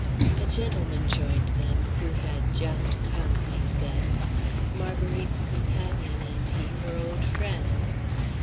A gentleman joined them, who had "just come," he said. Marguerite's companion and he were old friends.